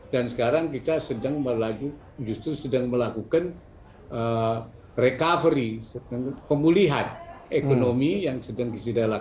dan sekarang kita sedang melakukan recovery pemulihan ekonomi yang sedang disediakan